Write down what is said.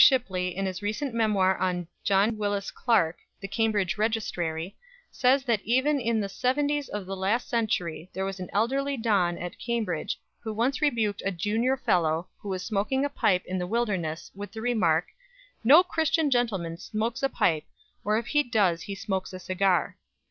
Shipley, in his recent memoir of John Willis Clark, the Cambridge Registrary, says that even in the 'seventies of the last century there was an elderly Don at Cambridge who once rebuked a Junior Fellow, who was smoking a pipe in the Wilderness, with the remark, "No Christian gentleman smokes a pipe, or if he does he smokes a cigar."